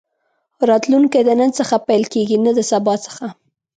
راتلونکی د نن څخه پيل کېږي نه د سبا څخه.